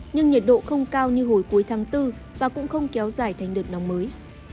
nhưng nhiệt độ không cao như hồi cuối tháng bốn và cũng không kéo dài thành đợt nóng mới